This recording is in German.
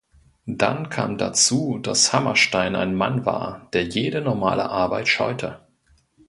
Dann kam dazu, daß Hammerstein ein Mann war, der jede normale Arbeit scheute.